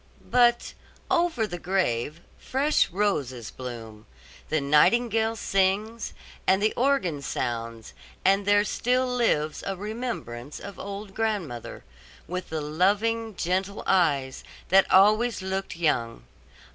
But over the grave fresh roses bloom, the nightingale sings, and the organ sounds and there still lives a remembrance of old grandmother, with the loving, gentle eyes that always looked young.